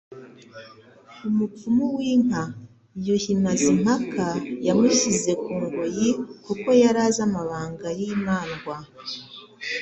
Umupfumu w'inka ),Yuhi Mazimpaka yamushyize ku ngoyi kuko yari azi amabanga y'imandwa